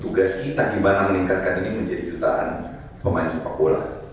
tugas kita gimana meningkatkan ini menjadi jutaan pemain sepak bola